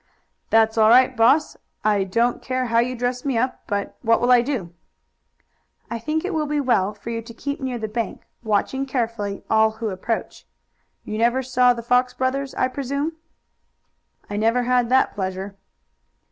"That's all right, boss. I don't care how you dress me up, but what will I do?" "I think it will be well for you to keep near the bank, watching carefully all who approach. You never saw the Fox brothers, I presume?" "I never had that pleasure."